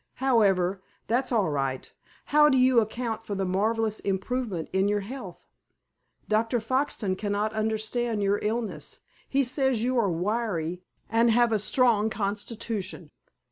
However, that's all right. How do you account for the marvelous improvement in your health? Dr. Foxton cannot understand your illness. He says you are wiry, and have a strong constitution."